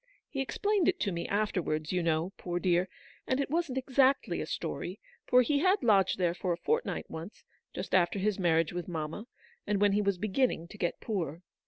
He explained it to me after wards, you know, poor dear ; and it wasn't exactly a story, for he had lodged there for a fortnight once, just after his marriage with mamma, and when he was beginning to get poor.